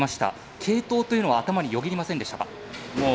継投というのは頭によぎりませんでしたか？